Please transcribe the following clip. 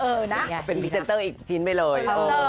เออนะเป็นพิเศษเตอร์อีกชิ้นไปเลย